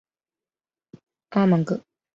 阿芒格。